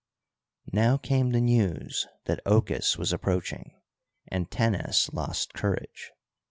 Now came the news that Ochus was approaching, and Tennes lost courage.